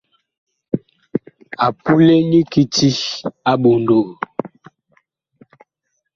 A pule nyi kiti a ɓondoo.